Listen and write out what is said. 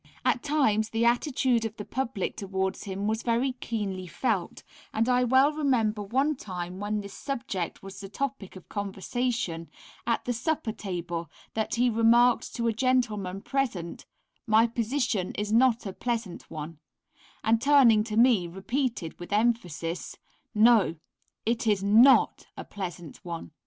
At times the attitude of the public towards him was very keenly felt, and I well remember one time when this subject was the topic of conversation at the supper table, that he remarked to a gentleman present, "my position is not a pleasant one," and turning to me, repeated with emphasis, "no! it is not a pleasant one."